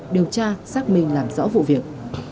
điều tra xác minh làm rõ vụ việc